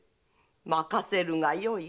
まかせるがよい。